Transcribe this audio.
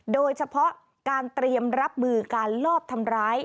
โดยเฉพาะการเตรียมรับมือการลอบทำร้าย